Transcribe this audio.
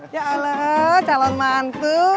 ya allah calon mantu